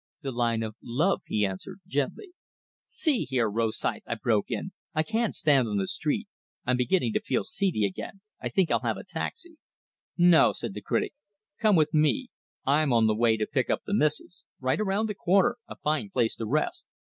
"The line of love," he answered, gently. "See here, Rosythe," I broke in, "I can't stand on the street. I'm beginning to feel seedy again. I think I'll have a taxi." "No," said the critic. "Come with me. I'm on the way to pick up the missus. Right around the corner a fine place to rest."